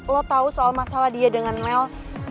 lo tahu soal masalah dia dengan mel